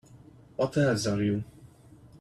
What else are you?